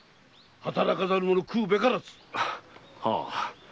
「働かざる者食うべからず」はあ。